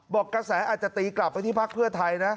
บอกกระแสอาจจะตีกลับไปที่พลักษณ์เพื่อไทย